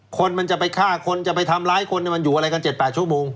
คนมันจะไปฆ่าคนจะไปทำร้ายคนมันอยู่อะไรกัน๗๘ชั่วโมง